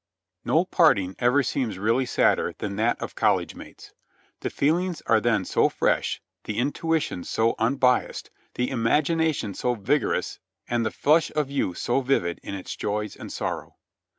No parting ever seems really sadder than that of college mates. The feelings are then so fresh, the intuitions so unbiased, the imagination so \ igorous and the flush of youth so vivid in its joys and sorrow.